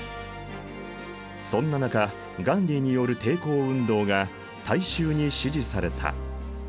そんな中ガンディーによる抵抗運動が大衆に支持された。